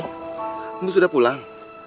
oh kamu sudah pulang